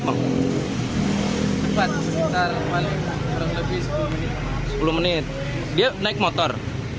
sepuluh menit dia naik motor